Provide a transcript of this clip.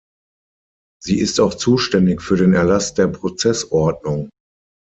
Sie ist auch zuständig für den Erlass der Prozessordnung.